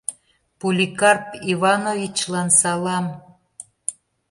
Поликарп Ивановичлан салам!